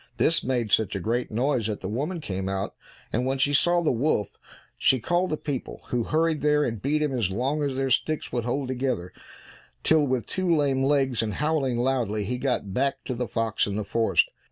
This made such a great noise that the woman came out, and when she saw the wolf she called the people, who hurried there, and beat him as long as their sticks would hold together, till with two lame legs, and howling loudly, he got back to the fox in the forest.